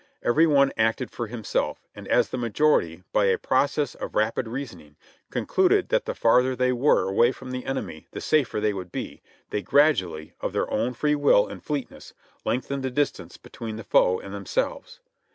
Every one acted for himself, and as the majority, by a process of rapid reasoning, concluded that the farther they were away from the enemy the safer they would be, they gradually, of their own free will and fleetness, lengthened the distance between the foe and themselves.